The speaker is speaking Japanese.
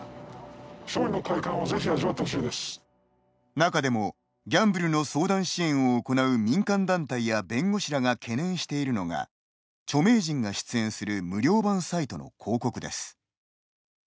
中でも、ギャンブルの相談支援を行う民間団体や弁護士らが懸念しているのが著名人が出演する無料版サイトの広告です。